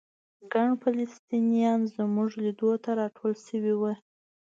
ګڼ فلسطینیان زموږ لیدو ته راټول شوي وو.